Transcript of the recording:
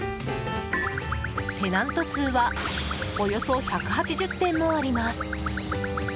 テナント数はおよそ１８０店もあります。